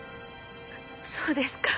そうですか。